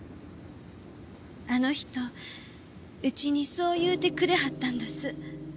あの人うちにそう言うてくれはったんどす。